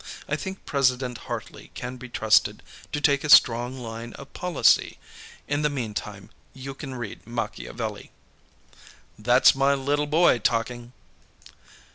I think President Hartley can be trusted to take a strong line of policy. In the meantime, you can read Machiavelli." "That's my little boy, talking!"